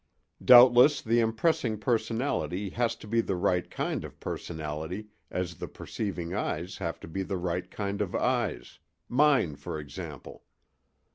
Doubtless the impressing personality has to be the right kind of personality as the perceiving eyes have to be the right kind of eyes—mine, for example."